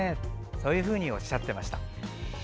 そういうふうにおっしゃっていました。